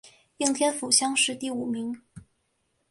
应天府乡试第五名。